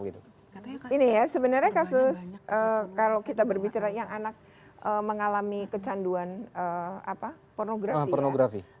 ini ya sebenarnya kasus kalau kita berbicara yang anak mengalami kecanduan pornografi ya